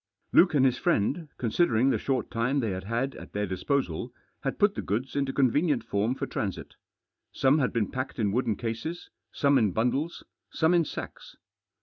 Luke and his friend, considering the short time they had had at their disposal, had put the goods into convfcttierit form for transit. Some had beeh p&cked in wooden cases, some in bundles, some in sacks.